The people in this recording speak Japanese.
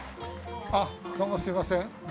あっ、どうもすいません。